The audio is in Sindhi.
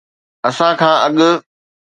اسان کان اڳ